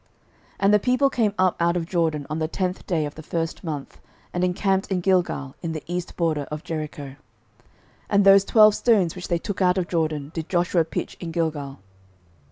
06:004:019 And the people came up out of Jordan on the tenth day of the first month, and encamped in Gilgal, in the east border of Jericho. 06:004:020 And those twelve stones, which they took out of Jordan, did Joshua pitch in Gilgal.